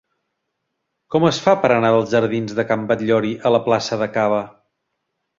Com es fa per anar dels jardins de Can Batllori a la plaça de Caba?